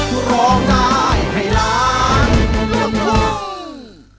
อ๋อนึกว่าอนาคตจ้องไปอยู่